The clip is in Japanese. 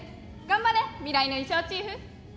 頑張れ未来の衣装チーフ。